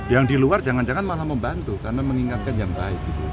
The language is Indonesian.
yang di luar jangan jangan malah membantu karena mengingatkan yang baik